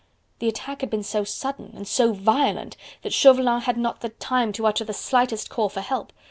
The attack had been so sudden and so violent that Chauvelin had not the time to utter the slightest call for help.